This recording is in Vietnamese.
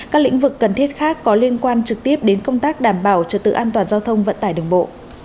các lĩnh vực cần thiết khác có liên quan trực tiếp đến công tác đảm bảo trật tự an toàn giao thông vận tải đường bộ